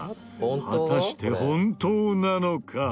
果たして本当なのか？